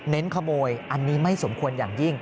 ขโมยอันนี้ไม่สมควรอย่างยิ่ง